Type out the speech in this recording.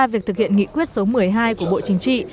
việc thực hiện nghị quyết số một mươi hai của bộ chính trị